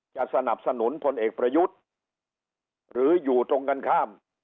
สนับสนุนพลเอกประยุทธ์หรืออยู่ตรงกันข้าม